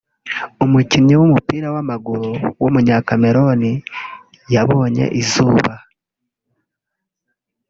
umukinnyi w’umupira w’amaguru w’umunyakameruni yabonye izuba